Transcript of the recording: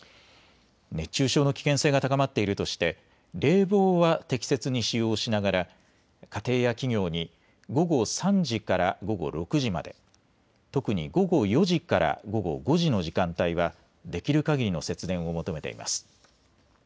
熱中症の危険性が高まっているとして冷房は適切に使用しながら家庭や企業に午後３時から午後６時まで、特に午後４時から午後５時の時間帯はできるかぎりの節電を求めています。